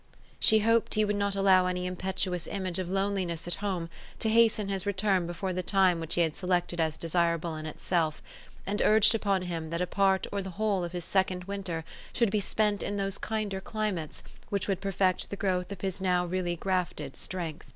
She hoped he would not allow any impetuous image of loneliness at home to hasten his return before the time which he had selected as desirable in itself, and urged upon him that a part or the whole of his second winter should be spent in those kinder climates which would perfect the growth of his now really grafted strength.